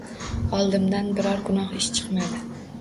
Oldimdan biror gunoh ish chiqmadi.